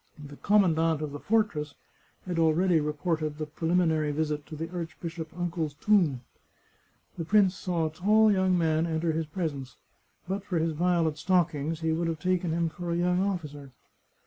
The commandant of the fortress had already reported the pre liminary visit to the archbishop uncle's tomb. The prince saw a tall young man enter his presence ; but for his violet stockings he would have taken him for a young officer.